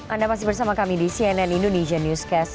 anda masih bersama kami di cnn indonesia newscast